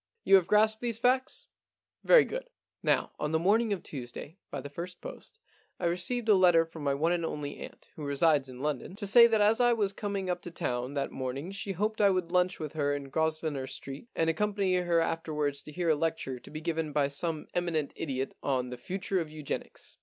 * You have grasped these facts ? Very good. Now, on the morning of Tuesday, by the first post, I received a letter from my one and only aunt, who resides in London, to say that as I was coming up to town that morning she hoped I would lunch with her in Grosvenor Street and accompany her after wards to hear a lecture to be given by some eminent idiot on The Future of Eugenics."